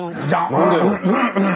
何で？